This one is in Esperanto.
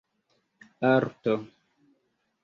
arto